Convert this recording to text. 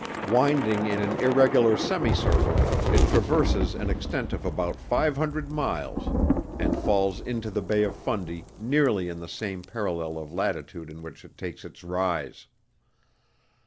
Winding in an irregular semi circle, it traverses an extent of about five hundred miles, and falls into the Bay of Fundy nearly in the same parallel of latitude in which it takes its rise.